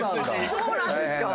そうなんですか？